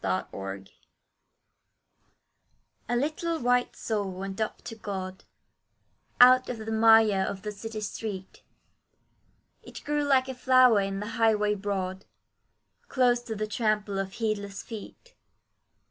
A BABY'S DEATH A little white soul went up to God, Out of the mire of the city street; It grew like a flower in the highway broad, Close to the trample of heedless feet.